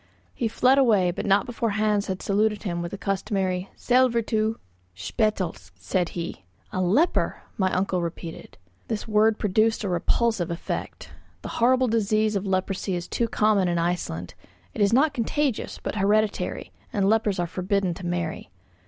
He fled away, but not before Hans had saluted him with the customary "Sællvertu." "Spetelsk," said he. "A leper!" my uncle repeated. This word produced a repulsive effect. The horrible disease of leprosy is too common in Iceland; it is not contagious, but hereditary, and lepers are forbidden to marry.